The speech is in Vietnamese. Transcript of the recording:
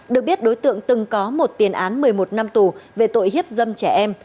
được biết đối tượng từng có một tiền án một mươi một năm tù về tội hiếp dâm trẻ em